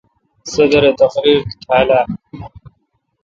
صدر اے°تقریر تھال اہ؟